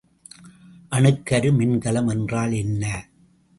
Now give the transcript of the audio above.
அணுக்கரு மின்கலம் என்றால் என்ன?